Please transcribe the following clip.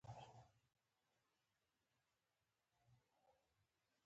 قلم مې ورک شو؛ ډېر پسې کښته پورته وګرځېدم خو پیدا مې نه کړ.